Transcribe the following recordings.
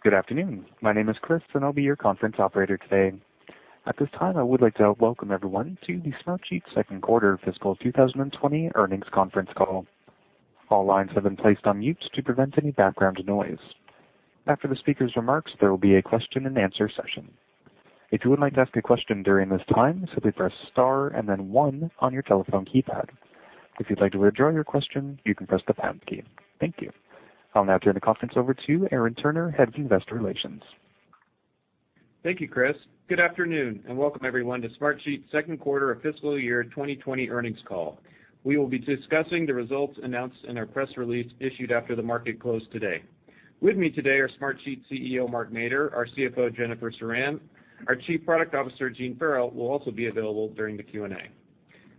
Good afternoon. My name is Chris, and I'll be your conference operator today. At this time, I would like to welcome everyone to the Smartsheet second quarter fiscal 2020 earnings conference call. All lines have been placed on mute to prevent any background noise. After the speaker's remarks, there will be a question and answer session. If you would like to ask a question during this time, simply press star and then one on your telephone keypad. If you'd like to withdraw your question, you can press the pound key. Thank you. I'll now turn the conference over to Aaron Turner, Head of Investor Relations. Thank you, Chris. Good afternoon, and welcome everyone to Smartsheet's second quarter of fiscal year 2020 earnings call. We will be discussing the results announced in our press release issued after the market closed today. With me today are Smartsheet CEO, Mark Mader, our CFO, Jennifer Ceran. Our Chief Product Officer, Gene Farrell, will also be available during the Q&A.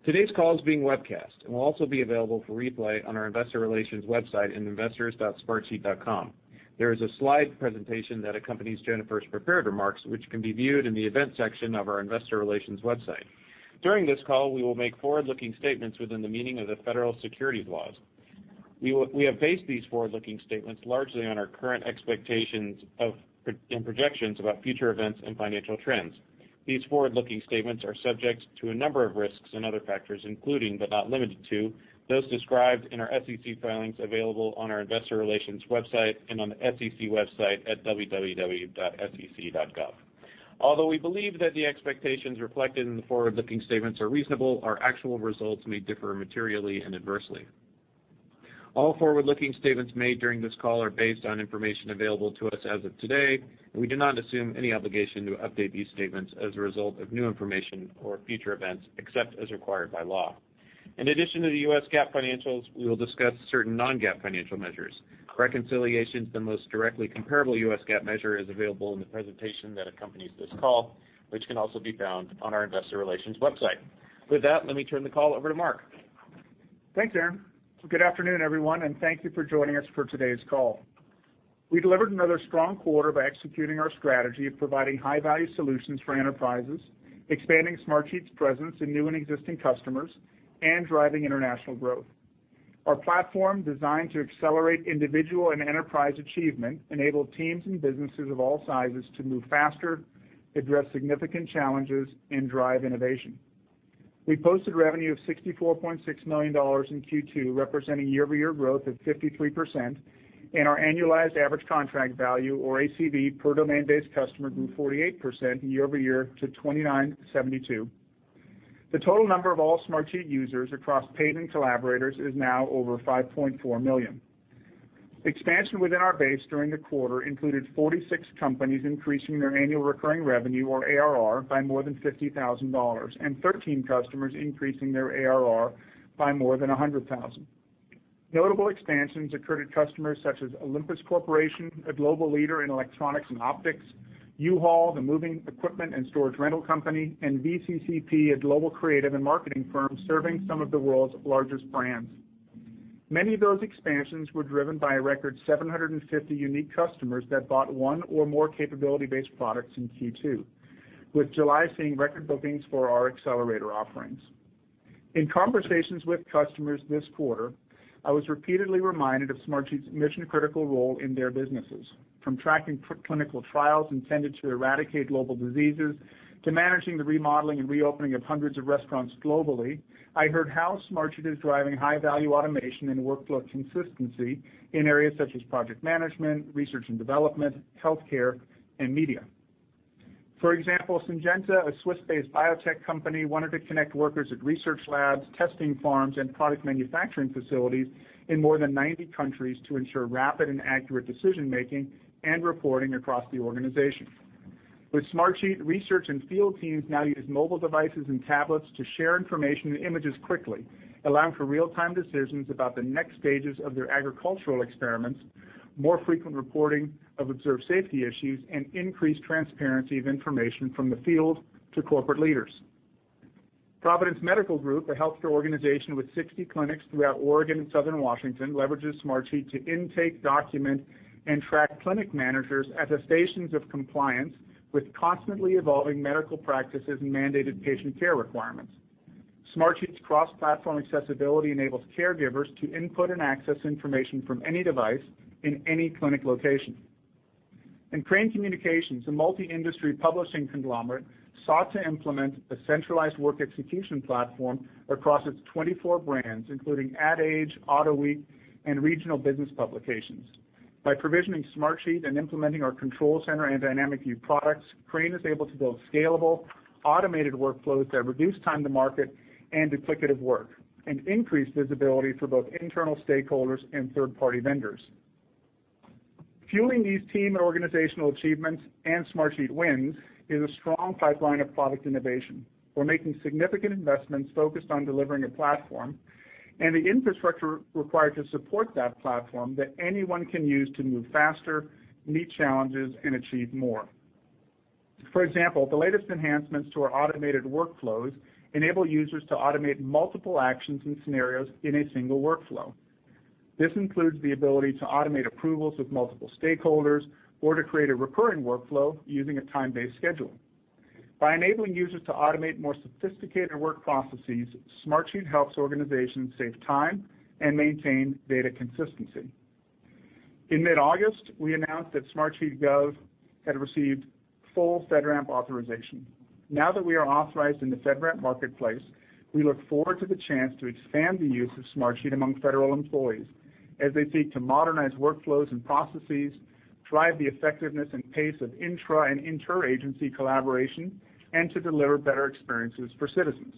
Today's call is being webcast and will also be available for replay on our investor relations website in investors.smartsheet.com. There is a slide presentation that accompanies Jennifer's prepared remarks, which can be viewed in the event section of our investor relations website. During this call, we will make forward-looking statements within the meaning of the federal securities laws. We have based these forward-looking statements largely on our current expectations and projections about future events and financial trends. These forward-looking statements are subject to a number of risks and other factors, including, but not limited to, those described in our SEC filings available on our investor relations website and on the sec website at www.sec.gov. Although we believe that the expectations reflected in the forward-looking statements are reasonable, our actual results may differ materially and adversely. All forward-looking statements made during this call are based on information available to us as of today, and we do not assume any obligation to update these statements as a result of new information or future events, except as required by law. In addition to the U.S. GAAP financials, we will discuss certain non-GAAP financial measures. Reconciliations to the most directly comparable U.S. GAAP measure is available in the presentation that accompanies this call, which can also be found on our investor relations website. With that, let me turn the call over to Mark. Thanks, Aaron. Good afternoon, everyone, and thank you for joining us for today's call. We delivered another strong quarter by executing our strategy of providing high-value solutions for enterprises, expanding Smartsheet's presence in new and existing customers, and driving international growth. Our platform, designed to accelerate individual and enterprise achievement, enabled teams and businesses of all sizes to move faster, address significant challenges, and drive innovation. We posted revenue of $64.6 million in Q2, representing year-over-year growth of 53%, and our annualized average contract value, or ACV, per domain-based customer grew 48% year over year to $2,972. The total number of all Smartsheet users across paid and collaborators is now over 5.4 million. Expansion within our base during the quarter included 46 companies increasing their annual recurring revenue, or ARR, by more than $50,000 and 13 customers increasing their ARR by more than $100,000. Notable expansions occurred at customers such as Olympus Corporation, a global leader in electronics and optics, U-Haul, the moving equipment and storage rental company, and VCCP, a global creative and marketing firm serving some of the world's largest brands. Many of those expansions were driven by a record 750 unique customers that bought one or more capability-based products in Q2, with July seeing record bookings for our accelerator offerings. In conversations with customers this quarter, I was repeatedly reminded of Smartsheet's mission-critical role in their businesses, from tracking clinical trials intended to eradicate global diseases to managing the remodeling and reopening of hundreds of restaurants globally. I heard how Smartsheet is driving high-value automation and workflow consistency in areas such as project management, research and development, healthcare, and media. For example, Syngenta, a Swiss-based biotech company, wanted to connect workers at research labs, testing farms, and product manufacturing facilities in more than 90 countries to ensure rapid and accurate decision-making and reporting across the organization. With Smartsheet, research and field teams now use mobile devices and tablets to share information and images quickly, allowing for real-time decisions about the next stages of their agricultural experiments, more frequent reporting of observed safety issues, and increased transparency of information from the field to corporate leaders. Providence Medical Group, a healthcare organization with 60 clinics throughout Oregon and Southern Washington, leverages Smartsheet to intake document and track clinic managers' attestations of compliance with constantly evolving medical practices and mandated patient care requirements. Smartsheet's cross-platform accessibility enables caregivers to input and access information from any device in any clinic location. Crain Communications, a multi-industry publishing conglomerate, sought to implement a centralized work execution platform across its 24 brands, including Ad Age, Autoweek, and Regional Business Publications. By provisioning Smartsheet and implementing our Control Center and Dynamic View products, Crain is able to build scalable, automated workflows that reduce time to market and duplicative work and increase visibility for both internal stakeholders and third-party vendors. Fueling these team and organizational achievements and Smartsheet wins is a strong pipeline of product innovation. We're making significant investments focused on delivering a platform and the infrastructure required to support that platform that anyone can use to move faster, meet challenges, and achieve more. For example, the latest enhancements to our automated workflows enable users to automate multiple actions and scenarios in a single workflow. This includes the ability to automate approvals with multiple stakeholders or to create a recurring workflow using a time-based schedule. By enabling users to automate more sophisticated work processes, Smartsheet helps organizations save time and maintain data consistency. In mid-August, we announced that Smartsheet Gov had received full FedRAMP authorization. Now that we are authorized in the FedRAMP Marketplace, we look forward to the chance to expand the use of Smartsheet among federal employees as they seek to modernize workflows and processes, drive the effectiveness and pace of intra and inter-agency collaboration, and to deliver better experiences for citizens.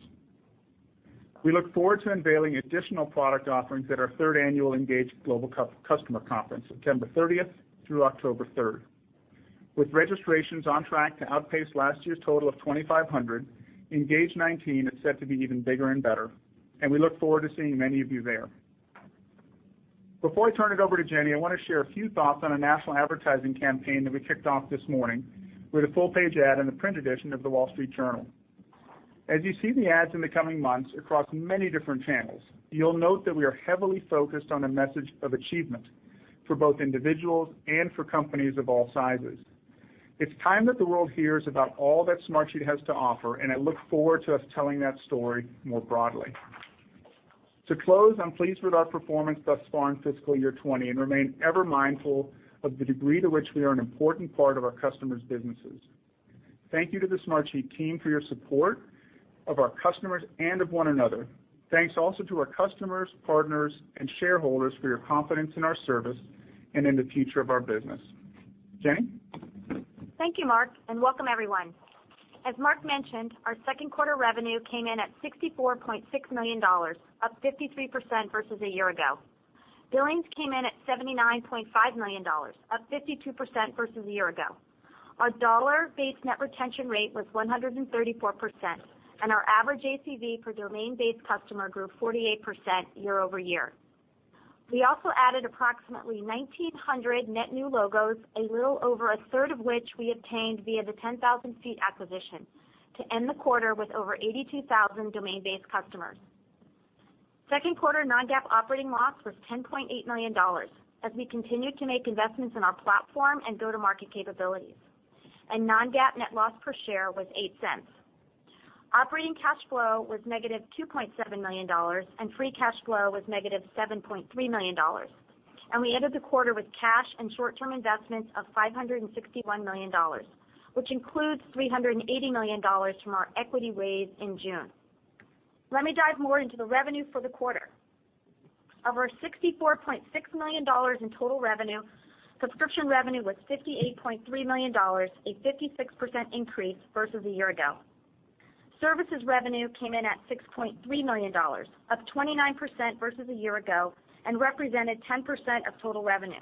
We look forward to unveiling additional product offerings at our third annual ENGAGE Global Customer Conference, September 30th through October 3rd. With registrations on track to outpace last year's total of 2,500, ENGAGE '19 is set to be even bigger and better, and we look forward to seeing many of you there. Before I turn it over to Jenny, I want to share a few thoughts on a national advertising campaign that we kicked off this morning with a full-page ad in the print edition of The Wall Street Journal. As you see the ads in the coming months across many different channels, you'll note that we are heavily focused on a message of achievement for both individuals and for companies of all sizes. It's time that the world hears about all that Smartsheet has to offer, and I look forward to us telling that story more broadly. To close, I'm pleased with our performance thus far in fiscal year 2020 and remain ever mindful of the degree to which we are an important part of our customers' businesses. Thank you to the Smartsheet team for your support of our customers and of one another. Thanks also to our customers, partners, and shareholders for your confidence in our service and in the future of our business. Jenny? Thank you, Mark, and welcome everyone. As Mark mentioned, our second quarter revenue came in at $64.6 million, up 53% versus a year ago. Billings came in at $79.5 million, up 52% versus a year ago. Our dollar-based net retention rate was 134%, and our average ACV per domain-based customer grew 48% year-over-year. We also added approximately 1,900 net new logos, a little over a third of which we obtained via the 10,000ft acquisition to end the quarter with over 82,000 domain-based customers. Second quarter non-GAAP operating loss was $10.8 million as we continued to make investments in our platform and go-to-market capabilities. Non-GAAP net loss per share was $0.08. Operating cash flow was negative $2.7 million, and free cash flow was negative $7.3 million. We ended the quarter with cash and short-term investments of $561 million, which includes $380 million from our equity raise in June. Let me dive more into the revenue for the quarter. Of our $64.6 million in total revenue, subscription revenue was $58.3 million, a 56% increase versus a year ago. Services revenue came in at $6.3 million, up 29% versus a year ago and represented 10% of total revenue.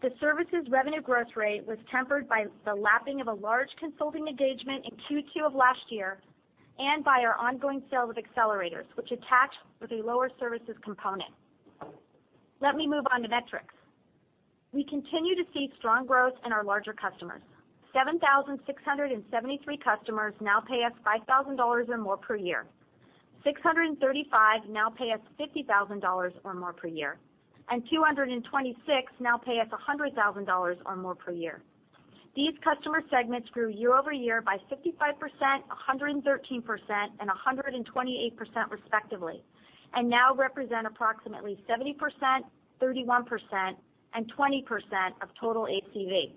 The services revenue growth rate was tempered by the lapping of a large consulting engagement in Q2 of last year and by our ongoing sales of accelerators, which attach with a lower services component. Let me move on to metrics. We continue to see strong growth in our larger customers. 7,673 customers now pay us $5,000 or more per year. 635 now pay us $50,000 or more per year, and 226 now pay us $100,000 or more per year. These customer segments grew year-over-year by 55%, 113%, and 128% respectively, and now represent approximately 70%, 31%, and 20% of total ACV.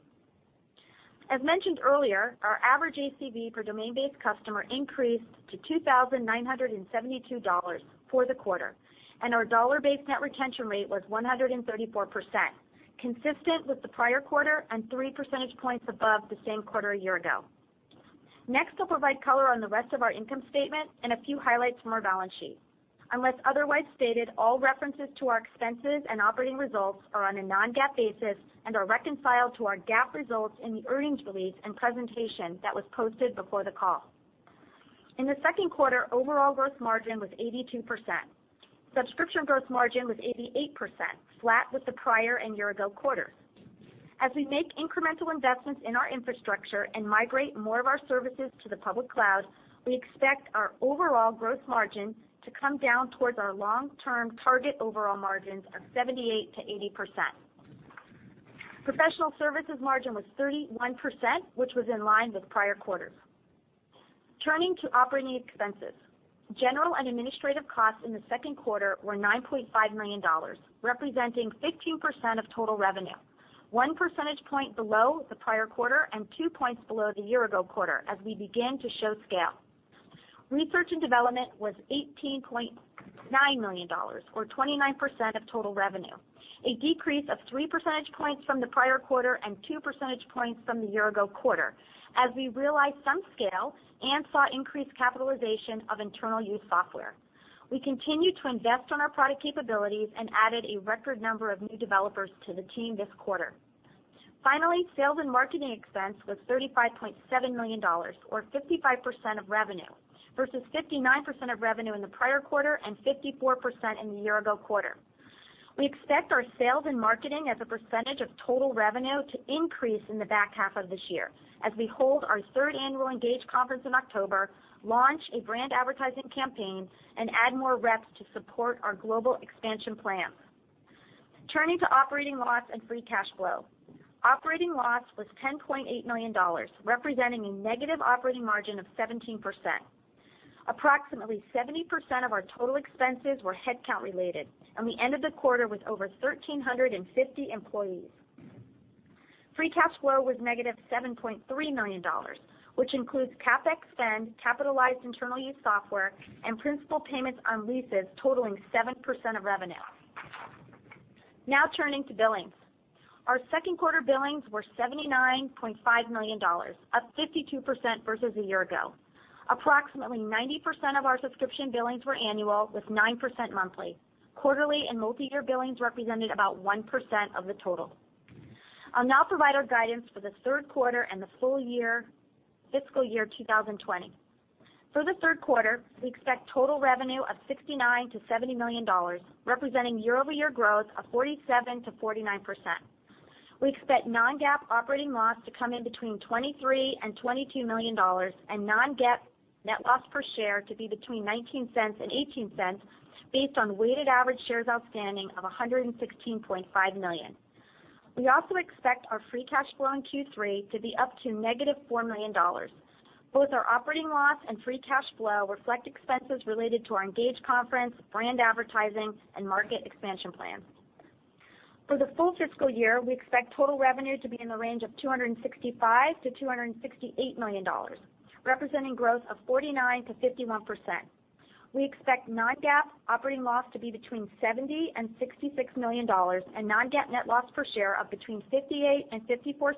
As mentioned earlier, our average ACV per domain-based customer increased to $2,972 for the quarter, and our dollar-based net retention rate was 134%, consistent with the prior quarter and three percentage points above the same quarter a year ago. I'll provide color on the rest of our income statement and a few highlights from our balance sheet. Unless otherwise stated, all references to our expenses and operating results are on a non-GAAP basis and are reconciled to our GAAP results in the earnings release and presentation that was posted before the call. In the second quarter, overall gross margin was 82%. Subscription gross margin was 88%, flat with the prior and year-ago quarter. As we make incremental investments in our infrastructure and migrate more of our services to the public cloud, we expect our overall gross margin to come down towards our long-term target overall margins of 78%-80%. Professional services margin was 31%, which was in line with prior quarters. Turning to operating expenses. General and administrative costs in the second quarter were $9.5 million, representing 15% of total revenue, one percentage point below the prior quarter and two points below the year-ago quarter as we begin to show scale. Research and development was $18.9 million or 29% of total revenue, a decrease of three percentage points from the prior quarter and two percentage points from the year-ago quarter as we realized some scale and saw increased capitalization of internal use software. We continued to invest on our product capabilities and added a record number of new developers to the team this quarter. Finally, sales and marketing expense was $35.7 million or 55% of revenue versus 59% of revenue in the prior quarter and 54% in the year-ago quarter. We expect our sales and marketing as a percentage of total revenue to increase in the back half of this year as we hold our third annual ENGAGE conference in October, launch a brand advertising campaign, and add more reps to support our global expansion plans. Turning to operating loss and free cash flow. Operating loss was $10.8 million, representing a negative operating margin of 17%. Approximately 70% of our total expenses were headcount-related, and we ended the quarter with over 1,350 employees. Free cash flow was negative $7.3 million, which includes CapEx spend, capitalized internal use software, and principal payments on leases totaling 7% of revenue. Now turning to billings. Our second quarter billings were $79.5 million, up 52% versus a year ago. Approximately 90% of our subscription billings were annual, with 9% monthly. Quarterly and multiyear billings represented about 1% of the total. I'll now provide our guidance for the third quarter and the full year fiscal year 2020. For the third quarter, we expect total revenue of $69 million-$70 million, representing year-over-year growth of 47%-49%. We expect non-GAAP operating loss to come in between $23 million and $22 million, and non-GAAP net loss per share to be between $0.19 and $0.18 based on weighted average shares outstanding of 116.5 million. We also expect our free cash flow in Q3 to be up to negative $4 million. Both our operating loss and free cash flow reflect expenses related to our ENGAGE conference, brand advertising, and market expansion plans. For the full fiscal year, we expect total revenue to be in the range of $265 million-$268 million, representing growth of 49%-51%. We expect non-GAAP operating loss to be between $70 million and $66 million, and non-GAAP net loss per share of between $0.58 and $0.54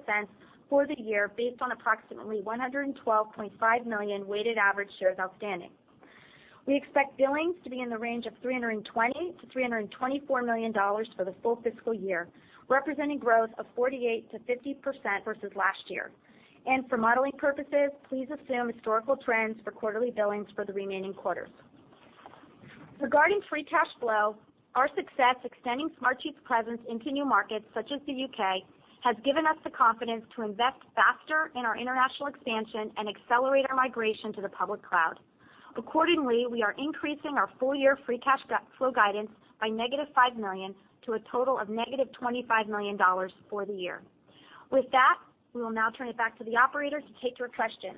for the year based on approximately 112.5 million weighted average shares outstanding. We expect billings to be in the range of $320 million-$324 million for the full fiscal year, representing growth of 48%-50% versus last year. For modeling purposes, please assume historical trends for quarterly billings for the remaining quarters. Regarding free cash flow, our success extending Smartsheet's presence into new markets such as the U.K., has given us the confidence to invest faster in our international expansion and accelerate our migration to the public cloud. Accordingly, we are increasing our full-year free cash flow guidance by negative $5 million to a total of negative $25 million for the year. With that, we will now turn it back to the operator to take your questions.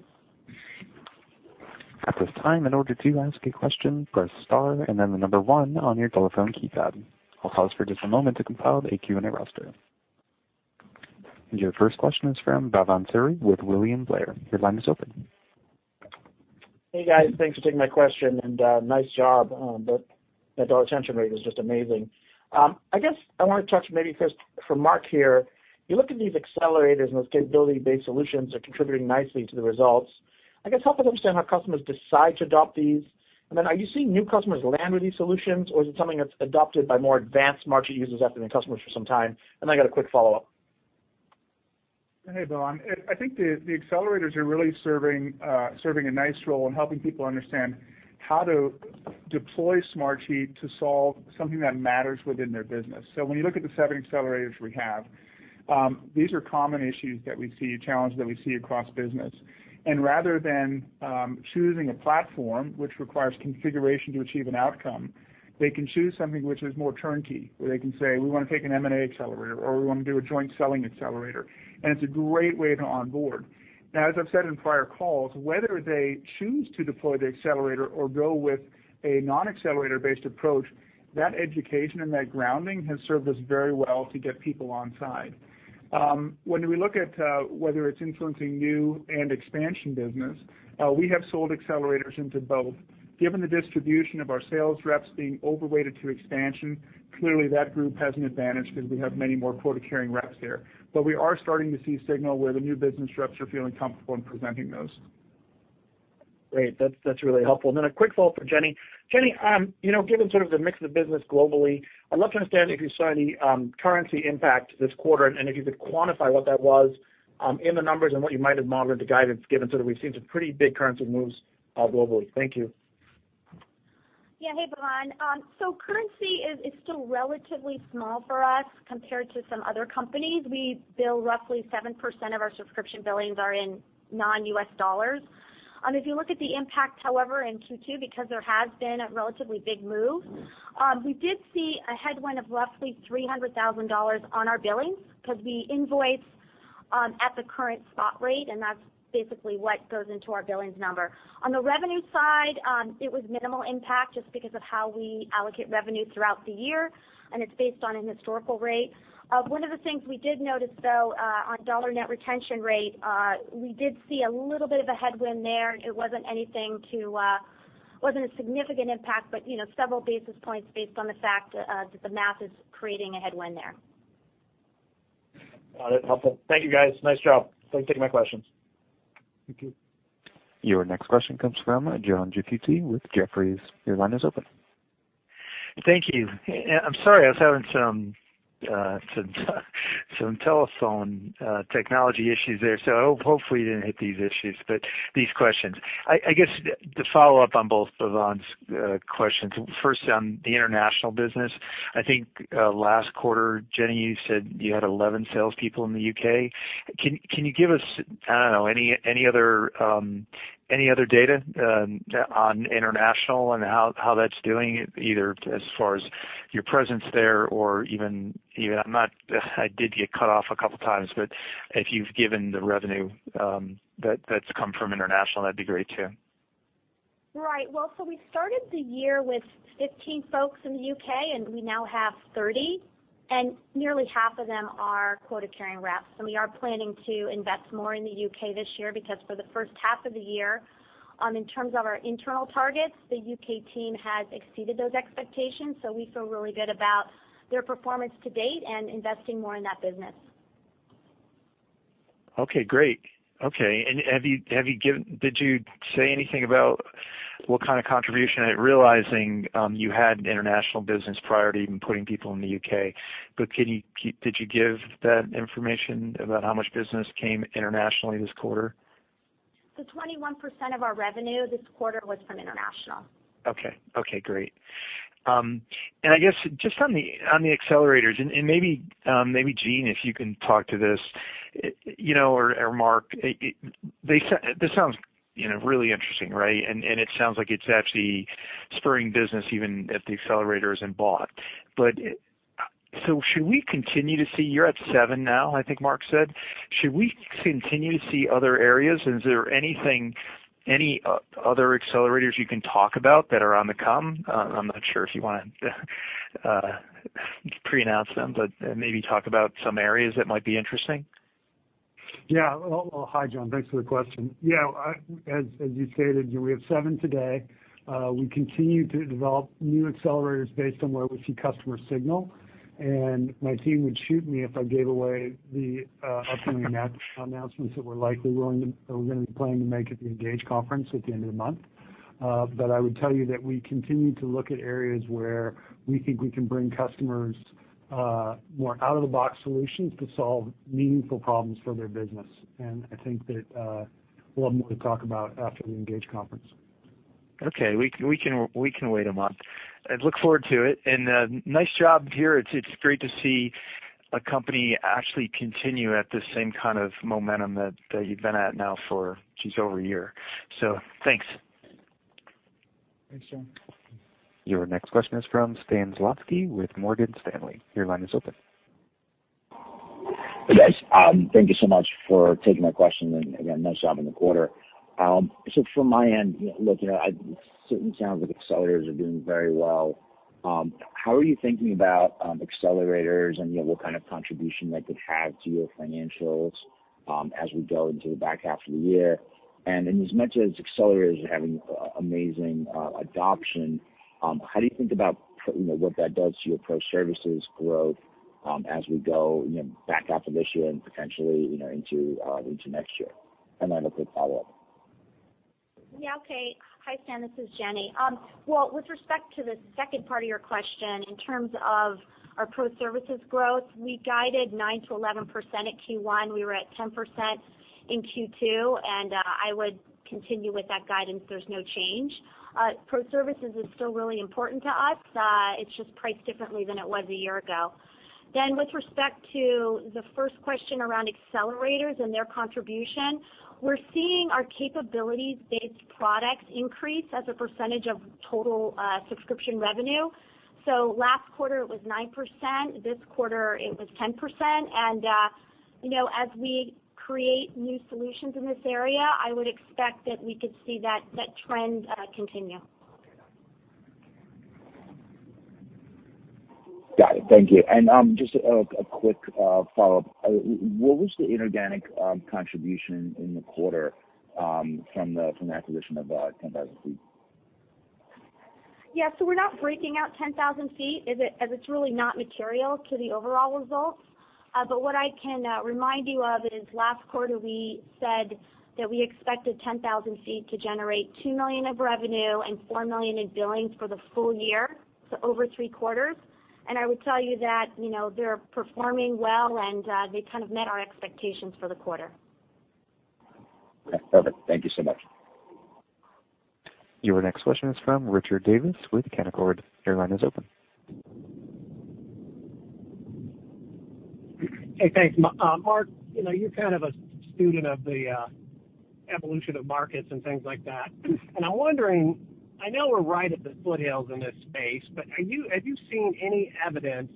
At this time, in order to ask a question, press star and then the number one on your telephone keypad. I'll pause for just a moment to compile the Q&A roster. Your first question is from Bhavan Suri with William Blair. Your line is open. Hey, guys. Thanks for taking my question, and nice job. That dollar retention rate is just amazing. I guess I want to talk maybe first for Mark here. You look at these accelerators and those capability-based solutions are contributing nicely to the results. I guess help us understand how customers decide to adopt these, then are you seeing new customers land with these solutions, or is it something that's adopted by more advanced market users after they've been customers for some time? I got a quick follow-up. Hey, Bhavan. I think the accelerators are really serving a nice role in helping people understand how to deploy Smartsheet to solve something that matters within their business. When you look at the seven accelerators we have, these are common issues that we see, challenges that we see across business. Rather than choosing a platform which requires configuration to achieve an outcome, they can choose something which is more turnkey, where they can say, "We want to take an M&A Accelerator," or, "We want to do a joint selling accelerator." It's a great way to onboard. Now, as I've said in prior calls, whether they choose to deploy the accelerator or go with a non-accelerator-based approach, that education and that grounding has served us very well to get people on side. When we look at whether it's influencing new and expansion business, we have sold accelerators into both. Given the distribution of our sales reps being overweighted to expansion, clearly that group has an advantage because we have many more quota-carrying reps there. We are starting to see signal where the new business reps are feeling comfortable in presenting those. Great. That's really helpful. A quick follow for Jenny. Jenny, given sort of the mix of the business globally, I'd love to understand if you saw any currency impact this quarter and if you could quantify what that was in the numbers and what you might have modeled the guidance given, we've seen some pretty big currency moves globally. Thank you. Yeah. Hey, Bhavan. Currency is still relatively small for us compared to some other companies. We bill roughly 7% of our subscription billings are in non-U.S. dollars. If you look at the impact, however, in Q2, because there has been a relatively big move, we did see a headwind of roughly $300,000 on our billings because we invoice at the current spot rate, and that's basically what goes into our billings number. On the revenue side, it was minimal impact just because of how we allocate revenue throughout the year, and it's based on an historical rate. One of the things we did notice, though, on dollar-based net retention rate, we did see a little bit of a headwind there. It wasn't a significant impact, but several basis points based on the fact that the math is creating a headwind there. Got it. Helpful. Thank you, guys. Nice job. Thanks for taking my questions. Thank you. Your next question comes from John DiFucci with Jefferies. Your line is open. Thank you. I'm sorry, I was having some telephone technology issues there, so hopefully you didn't hit these questions. I guess to follow up on both Bhavan's questions, first on the international business. I think last quarter, Jenny, you said you had 11 salespeople in the U.K. Can you give us, I don't know, any other data on international and how that's doing, either as far as your presence there or even, I did get cut off a couple times, but if you've given the revenue that's come from international, that'd be great, too. Right. Well, we started the year with 15 folks in the U.K., we now have 30, and nearly half of them are quota-carrying reps. We are planning to invest more in the U.K. this year, because for the first half of the year, in terms of our internal targets, the U.K. team has exceeded those expectations. We feel really good about their performance to date and investing more in that business. Okay, great. Okay. Did you say anything about what kind of contribution, realizing you had international business prior to even putting people in the U.K.? Did you give that information about how much business came internationally this quarter? 21% of our revenue this quarter was from international. Okay. Okay, great. I guess, just on the accelerators, and maybe Gene, if you can talk to this, or Mark. This sounds really interesting, right? It sounds like it's actually spurring business even at the accelerators and beyond. Should we continue to see, you're at seven now, I think Mark said? Should we continue to see other areas? Is there any other accelerators you can talk about that are on the come? I'm not sure if you want to pre-announce them, but maybe talk about some areas that might be interesting. Well, hi, John. Thanks for the question. As you stated, we have seven today. We continue to develop new accelerators based on where we see customer signal. My team would shoot me if I gave away the upcoming announcements that we're going to be planning to make at the ENGAGE conference at the end of the month. I would tell you that we continue to look at areas where we think we can bring customers more out-of-the-box solutions to solve meaningful problems for their business. I think that we'll have more to talk about after the ENGAGE conference. Okay. We can wait a month. I look forward to it. Nice job here. It's great to see a company actually continue at the same kind of momentum that you've been at now for, geez, over a year. Thanks. Thanks, John. Your next question is from Stan Zlotsky with Morgan Stanley. Your line is open. Hey, guys. Thank you so much for taking my question, and again, nice job on the quarter. From my end, looking at it certainly sounds like accelerators are doing very well. How are you thinking about accelerators, and what kind of contribution that could have to your financials as we go into the back half of the year? Inasmuch as accelerators are having amazing adoption, how do you think about what that does to your pro services growth as we go back half of this year and potentially into next year? I have a quick follow-up. Yeah, okay. Hi, Stan, this is Jenny. Well, with respect to the second part of your question, in terms of our Pro Services growth, we guided 9%-11% at Q1. We were at 10% in Q2. I would continue with that guidance. There's no change. Pro Services is still really important to us. It's just priced differently than it was a year ago. With respect to the first question around accelerators and their contribution, we're seeing our capabilities-based products increase as a percentage of total subscription revenue. Last quarter it was 9%, this quarter it was 10%. As we create new solutions in this area, I would expect that we could see that trend continue. Got it. Thank you. Just a quick follow-up. What was the inorganic contribution in the quarter from the acquisition of 10,000ft? We're not breaking out 10,000ft, as it's really not material to the overall results. What I can remind you of is last quarter, we said that we expected 10,000ft to generate $2 million of revenue and $4 million in billings for the full year, so over three quarters. I would tell you that they're performing well, and they kind of met our expectations for the quarter. Okay, perfect. Thank you so much. Your next question is from Richard Davis with Canaccord. Your line is open. Hey, thanks. Mark, you're kind of a student of the evolution of markets and things like that. I'm wondering, I know we're right at the foothills in this space, but have you seen any evidence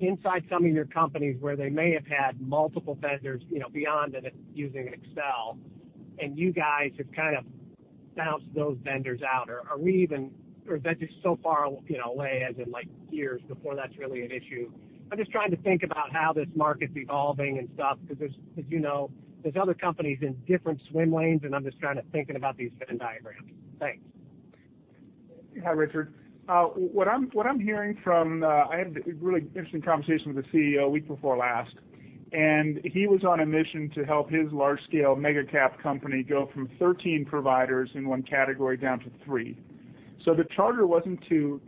inside some of your companies where they may have had multiple vendors beyond using Excel, and you guys have kind of bounced those vendors out? Is that just so far away as in, like, years before that's really an issue? I'm just trying to think about how this market's evolving and stuff. As you know, there's other companies in different swim lanes, and I'm just trying to think about these Venn diagrams. Thanks. Hi, Richard. What I'm hearing. I had a really interesting conversation with a CEO week before last, and he was on a mission to help his large-scale mega cap company go from 13 providers in one category down to three. The charter wasn't to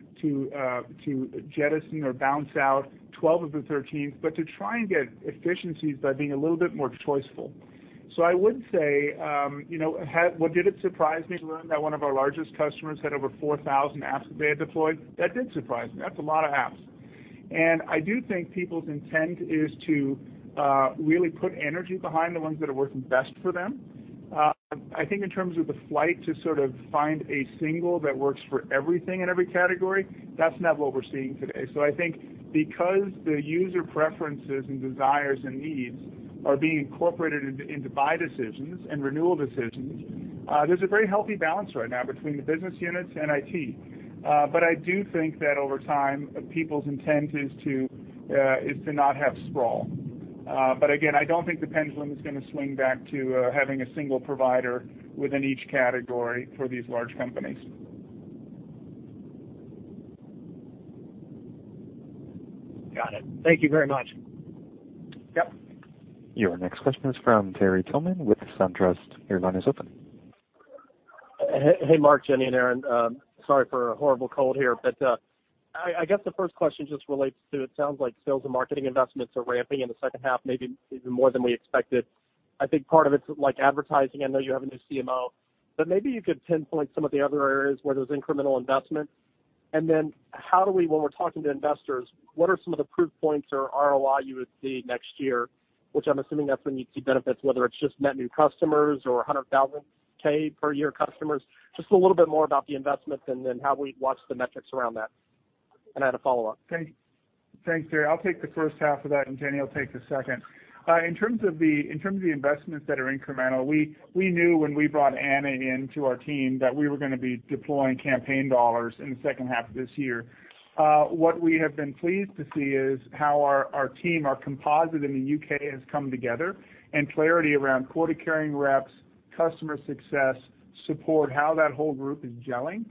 jettison or bounce out 12 of the 13, but to try and get efficiencies by being a little bit more choiceful. I would say, did it surprise me to learn that one of our largest customers had over 4,000 apps that they had deployed? That did surprise me. That's a lot of apps. I do think people's intent is to really put energy behind the ones that are working best for them. I think in terms of the flight to sort of find a single that works for everything in every category, that's not what we're seeing today. I think because the user preferences and desires and needs are being incorporated into buy decisions and renewal decisions. There's a very healthy balance right now between the business units and IT. I do think that over time, people's intent is to not have sprawl. Again, I don't think the pendulum is going to swing back to having a single provider within each category for these large companies. Got it. Thank you very much. Yep. Your next question is from Terry Tillman with SunTrust. Your line is open. Hey, Mark, Jenny, and Aaron. Sorry for a horrible cold here, but I guess the first question just relates to, it sounds like sales and marketing investments are ramping in the second half, maybe even more than we expected. I think part of it's like advertising. I know you have a new CMO, but maybe you could pinpoint some of the other areas where there's incremental investment. Then how do we, when we're talking to investors, what are some of the proof points or ROI you would see next year, which I'm assuming that's when you'd see benefits, whether it's just net new customers or $100,000 K per year customers. Just a little bit more about the investments and then how we watch the metrics around that. And I had a follow-up. Thanks, Terry. I'll take the first half of that, and Jenny will take the second. In terms of the investments that are incremental, we knew when we brought Anna into our team that we were going to be deploying campaign dollars in the second half of this year. What we have been pleased to see is how our team, our composite in the U.K., has come together and clarity around quota-carrying reps, customer success, support, how that whole group is gelling.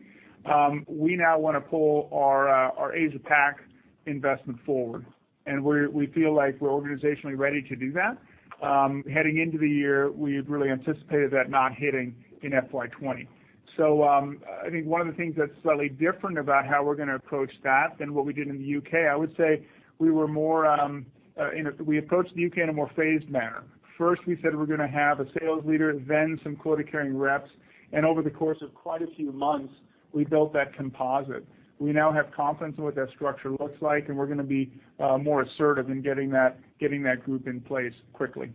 We now want to pull our Asia Pac investment forward, and we feel like we're organizationally ready to do that. Heading into the year, we had really anticipated that not hitting in FY 2020. I think one of the things that's slightly different about how we're going to approach that than what we did in the U.K., I would say we approached the U.K. in a more phased manner. First, we said we're going to have a sales leader, then some quota-carrying reps, and over the course of quite a few months, we built that composite. We now have confidence in what that structure looks like, and we're going to be more assertive in getting that group in place quickly.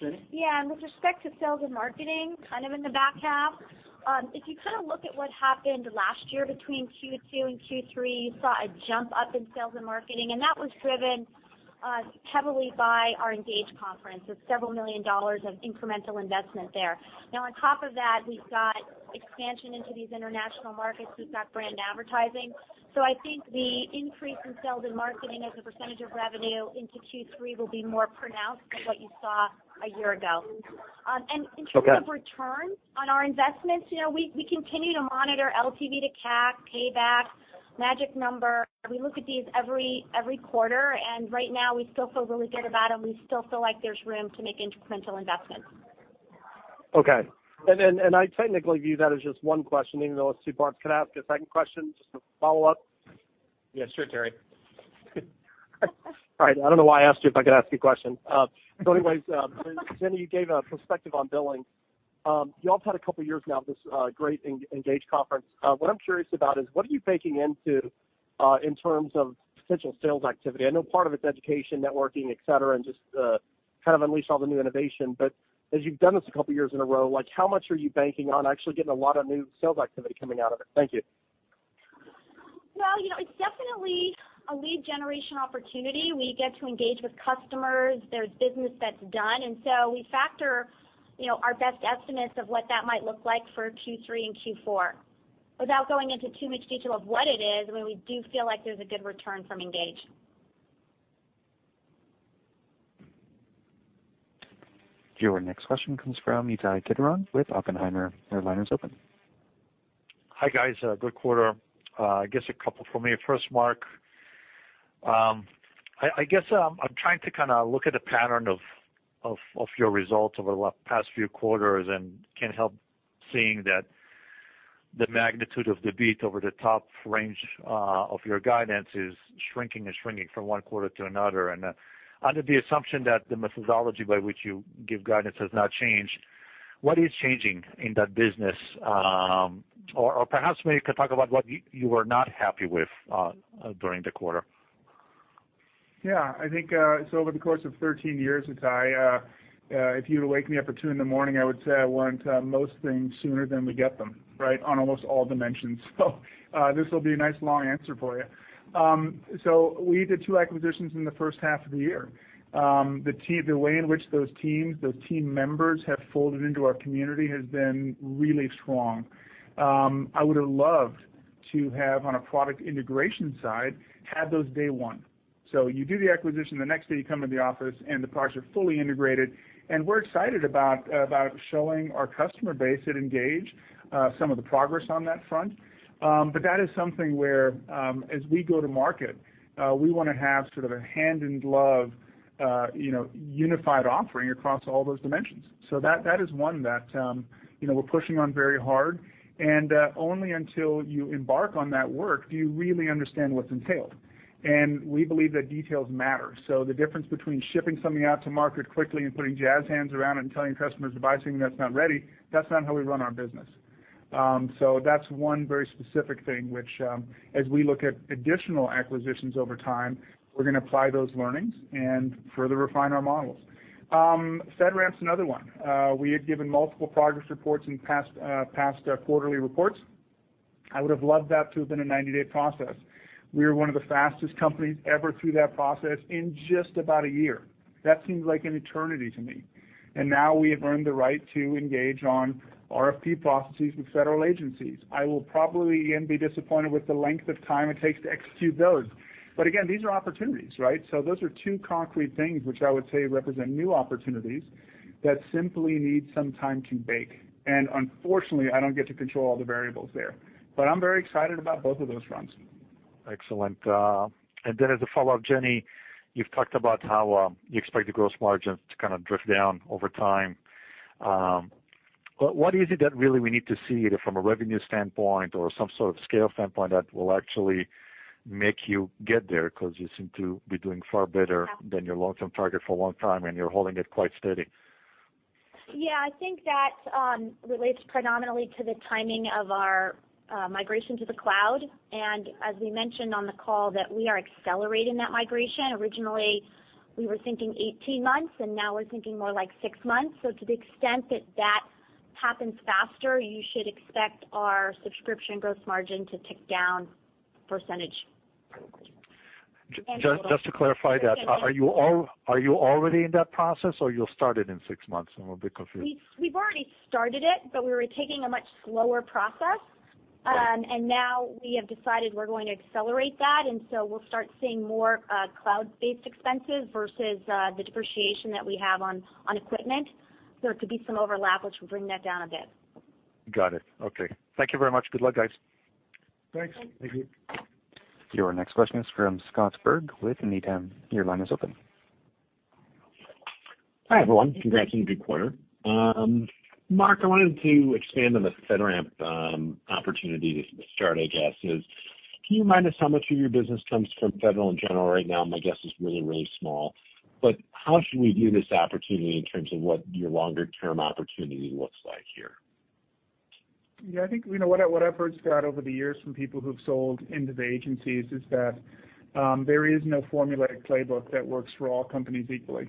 Jenny? With respect to sales and marketing, kind of in the back half, if you look at what happened last year between Q2 and Q3, you saw a jump up in sales and marketing, and that was driven heavily by our ENGAGE conference. It's $several million of incremental investment there. On top of that, we've got expansion into these international markets. We've got brand advertising. I think the increase in sales and marketing as a % of revenue into Q3 will be more pronounced than what you saw a year ago. Okay. In terms of return on our investments, we continue to monitor LTV to CAC, payback, magic number. We look at these every quarter, and right now we still feel really good about them. We still feel like there's room to make incremental investments. Okay. I technically view that as just one question, even though it's two parts. Could I ask a second question just to follow up? Yeah, sure, Terry. All right, I don't know why I asked you if I could ask you a question. Anyways, Jenny, you gave a perspective on billing. You all have had a couple of years now of this great ENGAGE conference. What I'm curious about is what are you baking into in terms of potential sales activity? I know part of it's education, networking, et cetera, and just kind of unleash all the new innovation. As you've done this a couple of years in a row, how much are you banking on actually getting a lot of new sales activity coming out of it? Thank you. Well, it's definitely a lead generation opportunity. We get to engage with customers. There's business that's done, and so we factor our best estimates of what that might look like for Q3 and Q4. Without going into too much detail of what it is, we do feel like there's a good return from ENGAGE. Your next question comes from Ittai Kidron with Oppenheimer. Your line is open. Hi, guys. Good quarter. I guess a couple for me. First, Mark, I guess I'm trying to look at the pattern of your results over the past few quarters and can't help seeing that the magnitude of the beat over the top range of your guidance is shrinking and shrinking from one quarter to another. Under the assumption that the methodology by which you give guidance has not changed, what is changing in that business? Perhaps maybe you could talk about what you were not happy with during the quarter. Yeah, I think so over the course of 13 years, Ittai, if you'd wake me up at 2:00 in the morning, I would say I want most things sooner than we get them, right? On almost all dimensions. This will be a nice long answer for you. We did two acquisitions in the first half of the year. The way in which those teams, those team members have folded into our community has been really strong. I would have loved to have, on a product integration side, had those day one. You do the acquisition, the next day you come into the office, and the products are fully integrated. We're excited about showing our customer base at ENGAGE some of the progress on that front. That is something where as we go to market, we want to have sort of a hand-in-glove unified offering across all those dimensions. That is one that we're pushing on very hard, and only until you embark on that work do you really understand what's entailed. We believe that details matter. The difference between shipping something out to market quickly and putting jazz hands around it and telling customers to buy something that's not ready, that's not how we run our business. That's one very specific thing, which as we look at additional acquisitions over time, we're going to apply those learnings and further refine our models. FedRAMP's another one. We have given multiple progress reports in past quarterly reports I would have loved that to have been a 90-day process. We were one of the fastest companies ever through that process in just about a year. That seems like an eternity to me. Now we have earned the right to engage on RFP processes with federal agencies. I will probably, again, be disappointed with the length of time it takes to execute those. Again, these are opportunities. Those are two concrete things which I would say represent new opportunities that simply need some time to bake. Unfortunately, I don't get to control all the variables there, but I'm very excited about both of those fronts. Excellent. As a follow-up, Jenny, you've talked about how you expect the gross margins to kind of drift down over time. What is it that really we need to see either from a revenue standpoint or some sort of scale standpoint that will actually make you get there? You seem to be doing far better than your long-term target for a long time, and you're holding it quite steady. Yeah, I think that relates predominantly to the timing of our migration to the cloud. As we mentioned on the call, that we are accelerating that migration. Originally, we were thinking 18 months, now we're thinking more like six months. To the extent that that happens faster, you should expect our subscription gross margin to tick down percentage. Just to clarify that, are you already in that process, or you'll start it in six months? I'm a bit confused. We've already started it, but we were taking a much slower process. Yeah. Now we have decided we're going to accelerate that, we'll start seeing more cloud-based expenses versus the depreciation that we have on equipment. There could be some overlap, which will bring that down a bit. Got it. Okay. Thank you very much. Good luck, guys. Thanks. Thanks. Thank you. Your next question is from Scott Berg with Needham. Your line is open. Hi, everyone. Congrats on a good quarter. Mark, I wanted to expand on the FedRAMP opportunity to start, can you remind us how much of your business comes from federal in general right now? My guess is really small. How should we view this opportunity in terms of what your longer-term opportunity looks like here? Yeah, I think what I've heard, Scott, over the years from people who've sold into the agencies is that there is no formulaic playbook that works for all companies equally.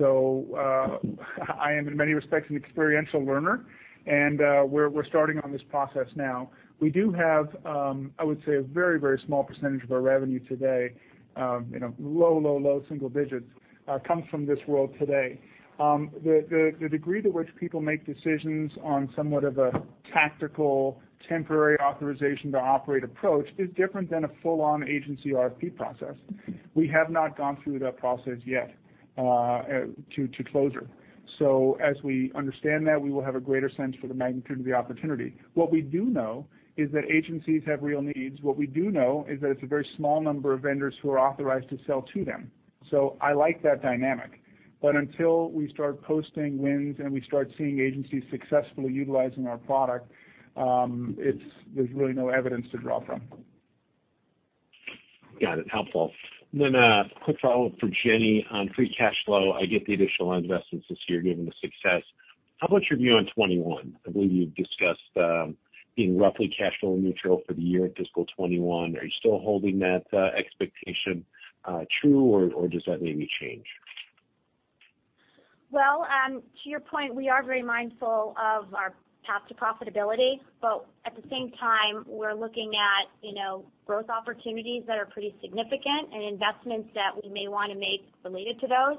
I am, in many respects, an experiential learner, and we're starting on this process now. We do have, I would say, a very small percentage of our revenue today. Low single digits come from this world today. The degree to which people make decisions on somewhat of a tactical temporary authorization to operate approach is different than a full-on agency RFP process. We have not gone through that process yet to closure. As we understand that, we will have a greater sense for the magnitude of the opportunity. What we do know is that agencies have real needs. What we do know is that it's a very small number of vendors who are authorized to sell to them. I like that dynamic, but until we start posting wins and we start seeing agencies successfully utilizing our product, there's really no evidence to draw from. Got it. Helpful. A quick follow-up for Jenny on free cash flow. I get the additional investments this year given the success. How about your view on 2021? I believe you've discussed being roughly cash flow neutral for the year at FY 2021. Are you still holding that expectation true, or does that maybe change? Well, to your point, we are very mindful of our path to profitability, but at the same time, we're looking at growth opportunities that are pretty significant and investments that we may want to make related to those.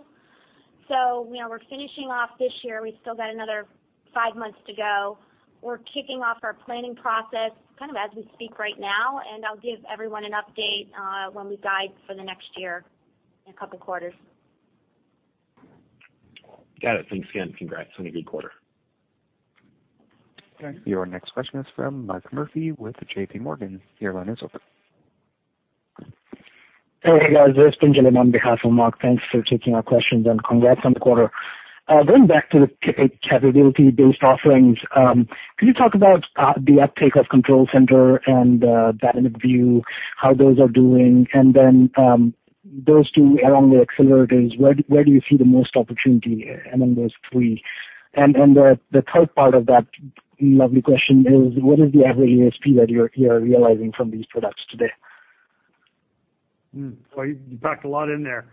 We're finishing off this year. We've still got another five months to go. We're kicking off our planning process as we speak right now. I'll give everyone an update when we guide for the next year in a couple of quarters. Got it. Thanks again. Congrats on a good quarter. Thanks. Your next question is from Michael Turrin with JPMorgan. Your line is open. Hey, guys. This is Pinjalim on behalf of Mark. Thanks for taking our questions and congrats on the quarter. Going back to the capability-based offerings, can you talk about the uptake of Control Center and Dynamic View, how those are doing? Those two along with accelerators, where do you see the most opportunity among those three? The third part of that lovely question is what is the average ASP that you're realizing from these products today? Well, you packed a lot in there.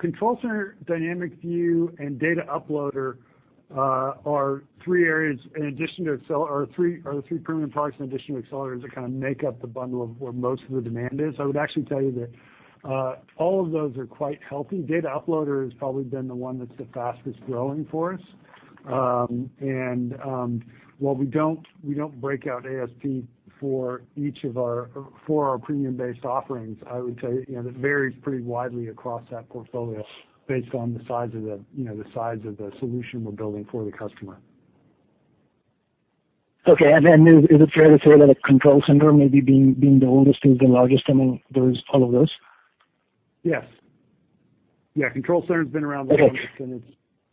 Control Center, Dynamic View, and Data Shuttle are three premium products in addition to accelerators that make up the bundle of where most of the demand is. I would actually tell you that all of those are quite healthy. Data Shuttle has probably been the one that's the fastest growing for us. While we don't break out ASP for our premium-based offerings, I would say it varies pretty widely across that portfolio based on the size of the solution we're building for the customer. Okay. Is it fair to say that Control Center maybe being the oldest, is the largest among all of those? Yes. Control Center's been around the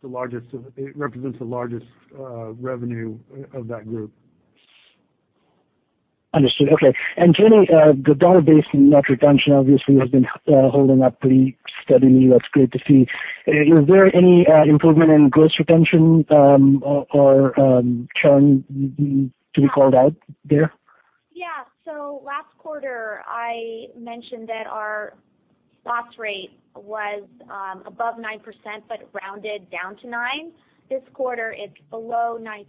longest- Okay It represents the largest revenue of that group. Understood. Okay. Jenny, the dollar-based net retention obviously has been holding up pretty steadily. That's great to see. Is there any improvement in gross retention or churn to be called out there? Last quarter, I mentioned that our loss rate was above 9%, but rounded down to 9%. This quarter, it's below 9%,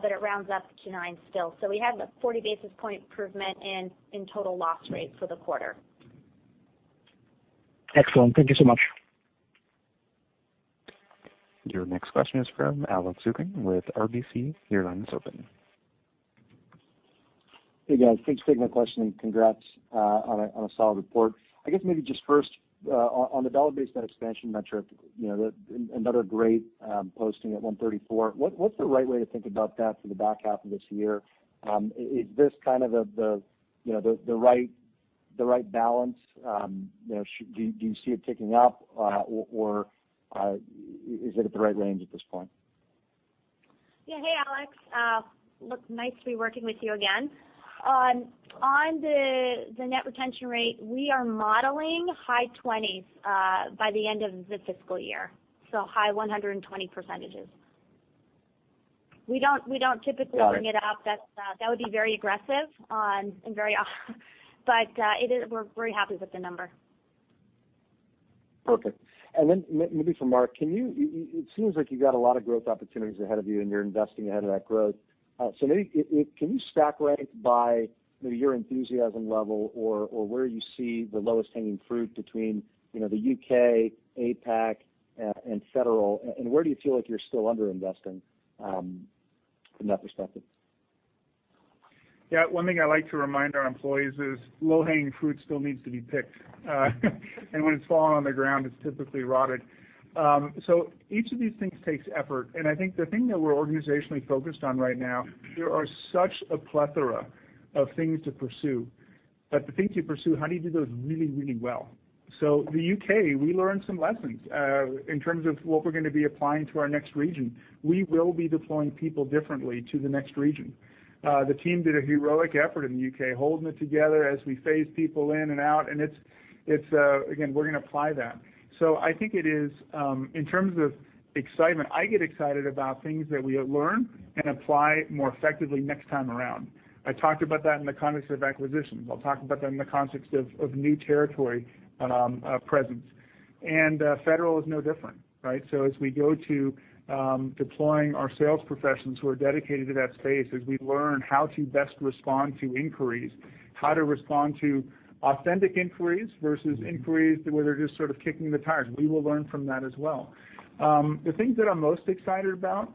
but it rounds up to 9% still. We have a 40 basis point improvement in total loss rate for the quarter. Excellent. Thank you so much. Your next question is from Alex Zukin with RBC. Your line is open. Hey, guys. Thanks for taking my question, and congrats on a solid report. I guess maybe just first, on the dollar-based net expansion metric, another great posting at 134%. What's the right way to think about that for the back half of this year? Is this the right balance? Do you see it ticking up, or is it at the right range at this point? Yeah. Hey, Alex. Look, nice to be working with you again. On the net retention rate, we are modeling high 20s by the end of the fiscal year, so high 120%. We don't typically. Got it. bring it up. That would be very aggressive and very but we're very happy with the number. Perfect. Then maybe for Mark, it seems like you've got a lot of growth opportunities ahead of you, and you're investing ahead of that growth. Maybe, can you stack rank by maybe your enthusiasm level or where you see the lowest hanging fruit between the U.K., APAC, and Federal? Where do you feel like you're still under-investing from that perspective? One thing I like to remind our employees is low-hanging fruit still needs to be picked. When it's fallen on the ground, it's typically rotted. Each of these things takes effort, and I think the thing that we're organizationally focused on right now, there are such a plethora of things to pursue. The things you pursue, how do you do those really, really well? The U.K., we learned some lessons in terms of what we're going to be applying to our next region. We will be deploying people differently to the next region. The team did a heroic effort in the U.K., holding it together as we phase people in and out, and again, we're going to apply that. I think it is, in terms of excitement, I get excited about things that we learn and apply more effectively next time around. I talked about that in the context of acquisitions. I'll talk about that in the context of new territory presence. Federal is no different, right? As we go to deploying our sales professionals who are dedicated to that space, as we learn how to best respond to inquiries, how to respond to authentic inquiries versus inquiries where they're just sort of kicking the tires. We will learn from that as well. The things that I'm most excited about,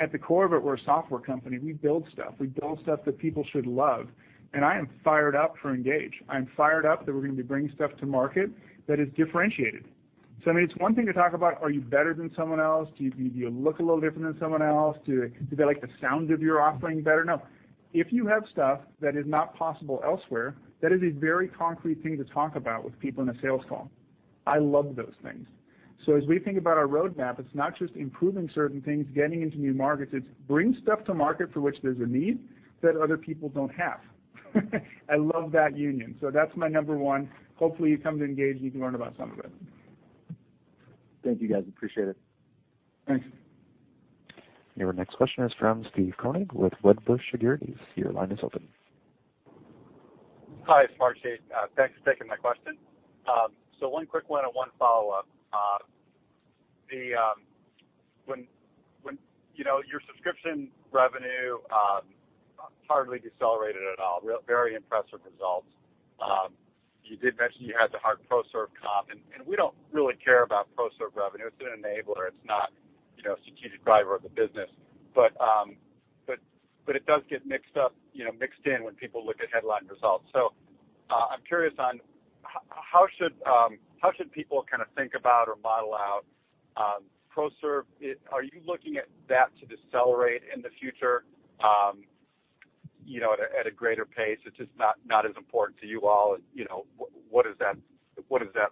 at the core of it, we're a software company. We build stuff. We build stuff that people should love, and I am fired up for ENGAGE. I'm fired up that we're going to be bringing stuff to market that is differentiated. It's one thing to talk about, are you better than someone else? Do you look a little different than someone else? Do they like the sound of your offering better? No. If you have stuff that is not possible elsewhere, that is a very concrete thing to talk about with people in a sales call. I love those things. As we think about our roadmap, it's not just improving certain things, getting into new markets, it's bring stuff to market for which there's a need that other people don't have. I love that union. That's my number one. Hopefully, you come to ENGAGE and you can learn about some of it. Thank you, guys. Appreciate it. Thanks. Your next question is from Steve Koenig with Wedbush Securities. Your line is open. Hi, Smartsheet. Thanks for taking my question. One quick one and one follow-up. Your subscription revenue hardly decelerated at all. Very impressive results. You did mention you had the hard ProServ comp, and we don't really care about ProServ revenue. It's an enabler. It's not a strategic driver of the business. It does get mixed in when people look at headline results. I'm curious on how should people think about or model out ProServ? Are you looking at that to decelerate in the future at a greater pace? It's just not as important to you all. What does that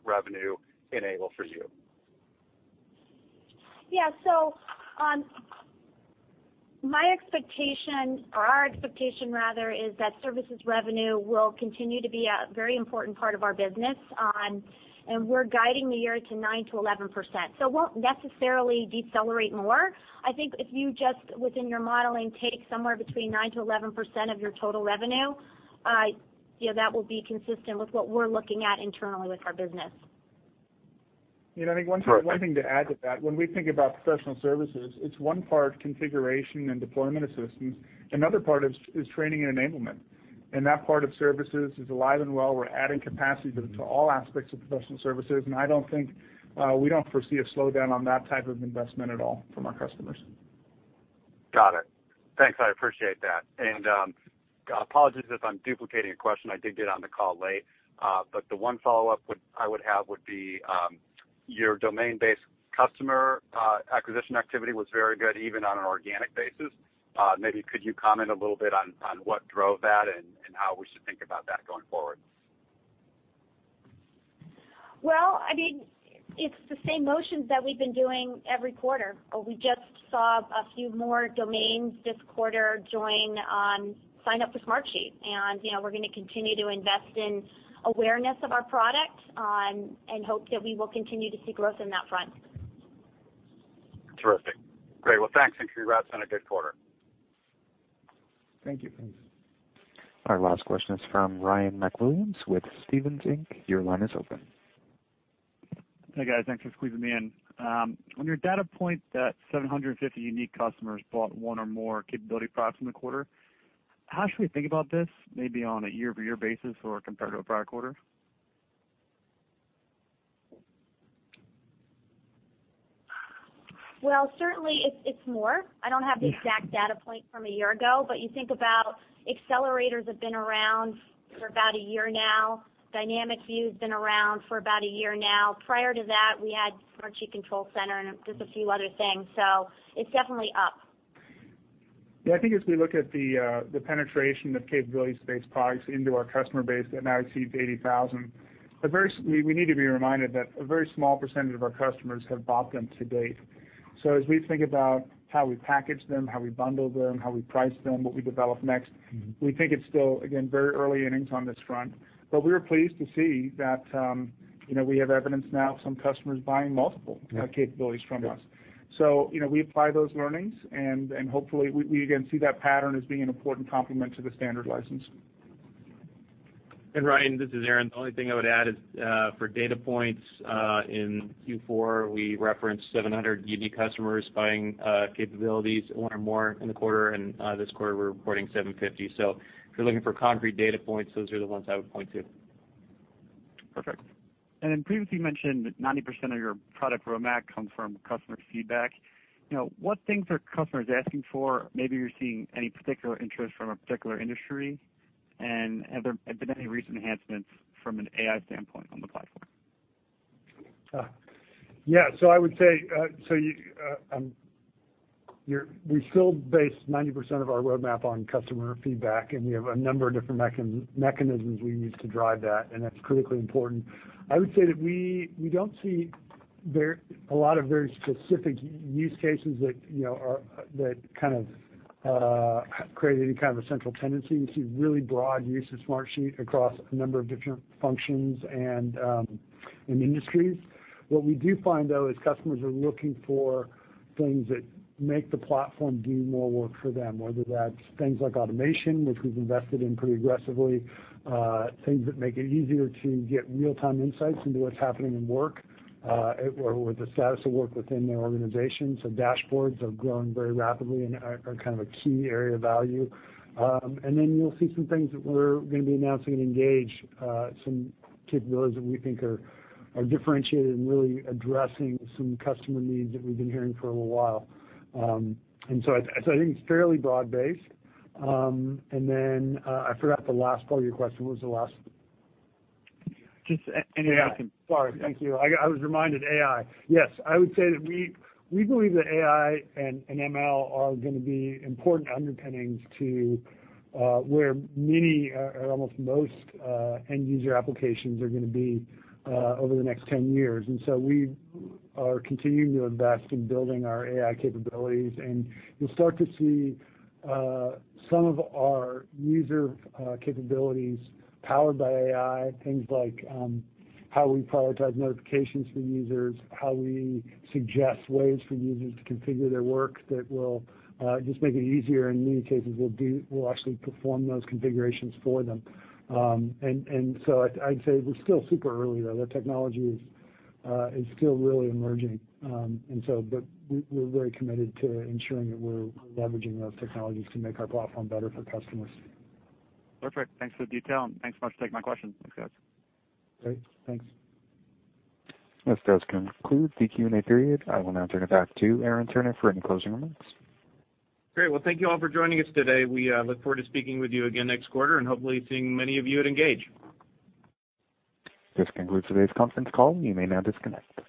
revenue enable for you? Yeah, our expectation, rather, is that services revenue will continue to be a very important part of our business, and we're guiding the year to 9%-11%. It won't necessarily decelerate more. I think if you just, within your modeling, take somewhere between 9%-11% of your total revenue, that will be consistent with what we're looking at internally with our business. I think one thing to add to that, when we think about professional services, it's one part configuration and deployment assistance. Another part is training and enablement. That part of services is alive and well. We're adding capacity to all aspects of professional services. We don't foresee a slowdown on that type of investment at all from our customers. Got it. Thanks. I appreciate that. Apologies if I'm duplicating a question. I did get on the call late. The one follow-up I would have would be, your domain-based customer acquisition activity was very good, even on an organic basis. Maybe could you comment a little bit on what drove that and how we should think about that going forward? Well, it's the same motions that we've been doing every quarter. We just saw a few more domains this quarter sign up for Smartsheet. We're going to continue to invest in awareness of our product and hope that we will continue to see growth on that front. Terrific. Great. Well, thanks, and congrats on a good quarter. Thank you. Our last question is from Ryan MacWilliams with Stephens Your line is open. Hi, guys. Thanks for squeezing me in. On your data point that 750 unique customers bought one or more capability products in the quarter, how should we think about this, maybe on a year-over-year basis or compared to a prior quarter? Well, certainly it's more. I don't have the exact data point from a year ago, but you think about accelerators have been around for about a year now. Dynamic View's been around for about a year now. Prior to that, we had Smartsheet Control Center and just a few other things. It's definitely up. I think as we look at the penetration of capabilities-based products into our customer base that now exceeds 80,000, we need to be reminded that a very small percentage of our customers have bought them to date. As we think about how we package them, how we bundle them, how we price them, what we develop next, we think it's still, again, very early innings on this front. We were pleased to see that, we have evidence now of some customers buying multiple capabilities from us. We apply those learnings, and hopefully we, again, see that pattern as being an important complement to the standard license. Ryan, this is Aaron. The only thing I would add is, for data points, in Q4, we referenced 700 unique customers buying capabilities, one or more in the quarter, and this quarter we're reporting 750. If you're looking for concrete data points, those are the ones I would point to. Perfect. Previously, you mentioned that 90% of your product roadmap comes from customer feedback. What things are customers asking for? Maybe you're seeing any particular interest from a particular industry, and have there been any recent enhancements from an AI standpoint on the platform? Yeah. I would say, we still base 90% of our roadmap on customer feedback, and we have a number of different mechanisms we use to drive that, and that's critically important. I would say that we don't see a lot of very specific use cases that create any kind of a central tendency. We see really broad use of Smartsheet across a number of different functions and industries. What we do find, though, is customers are looking for things that make the platform do more work for them, whether that's things like automation, which we've invested in pretty aggressively, things that make it easier to get real-time insights into what's happening in work, or the status of work within their organization. Dashboards have grown very rapidly and are a key area of value. You'll see some things that we're going to be announcing at ENGAGE, some capabilities that we think are differentiated and really addressing some customer needs that we've been hearing for a little while. I think it's fairly broad-based. I forgot the last part of your question. What was the last- Just AI. Sorry. Thank you. I was reminded, AI. I would say that we believe that AI and ML are going to be important underpinnings to where many or almost most end-user applications are going to be over the next 10 years. We are continuing to invest in building our AI capabilities, and you'll start to see some of our user capabilities powered by AI, things like how we prioritize notifications for users, how we suggest ways for users to configure their work that will just make it easier. In many cases, we'll actually perform those configurations for them. I'd say we're still super early, though. The technology is still really emerging. We're very committed to ensuring that we're leveraging those technologies to make our platform better for customers. Perfect. Thanks for the detail, and thanks so much for taking my questions. Thanks, guys. Great. Thanks. This does conclude the Q&A period. I will now turn it back to Aaron Turner for any closing remarks. Great. Well, thank you all for joining us today. We look forward to speaking with you again next quarter and hopefully seeing many of you at ENGAGE. This concludes today's conference call. You may now disconnect.